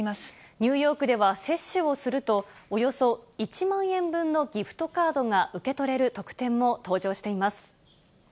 ニューヨークでは接種をすると、およそ１万円分のギフトカードが受け取れる特典も登場しています。